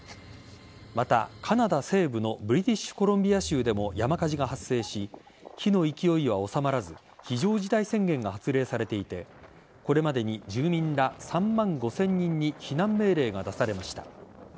また、カナダ西部のブリティッシュコロンビア州でも山火事が発生し火の勢いが収まらず非常事態宣言が発令されていてこれまでに住民ら３万５０００人に避難命令が出されました。